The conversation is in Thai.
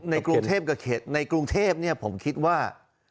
ในกรุงเทพกับในกรุงเทพผมคิดว่า